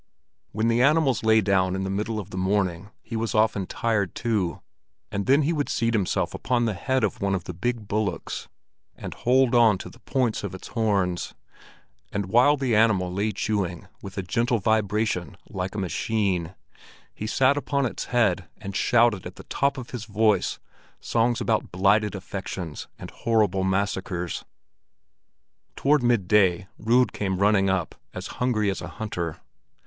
When the animals lay down in the middle of the morning, he was often tired too, and then he would seat himself upon the head of one of the big bullocks, and hold on to the points of its horns; and while the animal lay chewing with a gentle vibration like a machine, he sat upon its head and shouted at the top of his voice songs about blighted affections and horrible massacres. Toward midday Rud came running up, as hungry as a hunter.